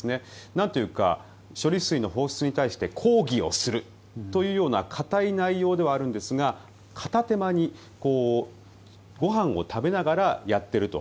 なんというか処理水の放出に対して抗議をするというような堅い内容ではあるんですが片手間にご飯を食べながらやってると。